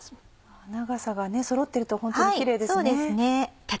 長さがそろってるとホントにキレイですね。